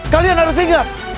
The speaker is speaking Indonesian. kalian harus ingat